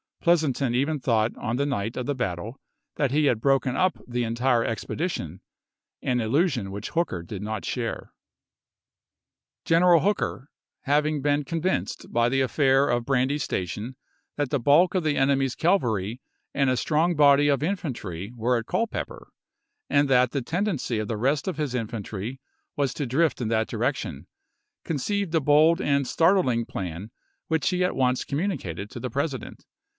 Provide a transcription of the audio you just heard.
Pleasonton even thought on the £n° cSfduot night of the battle that he had broken up the en war^Jsk tire expedition, an illusion which Hooker did not Vol. i., , p. 157. snare. General Hooker, having been convinced by the affair of Brandy Station that the bulk of the enemy's cavalry and a strong body of infantry were at Culpeper, and that the tendency of the rest of his infantry was to drift in that direction, con ceived a bold and startling plan which he at once communicated to the President.